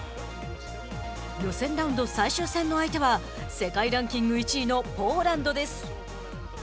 予選ラウンド最終戦の相手は世界ランキング１位のポーランドです。